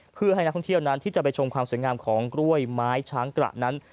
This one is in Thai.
เพื่อให้นักท่องเที่ยวนั้นที่จะไปชมความสวยงามของกล้วยไม้ช้างกระนั้น